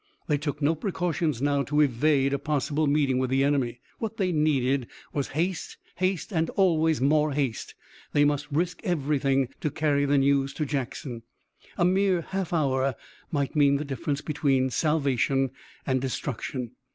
They took no precautions now to evade a possible meeting with the enemy. What they needed was haste, haste, always haste. They must risk everything to carry the news to Jackson. A mere half hour might mean the difference between salvation and destruction.